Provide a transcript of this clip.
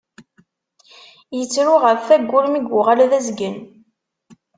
Yettru ɣef wayyur mi yuɣal d azgen.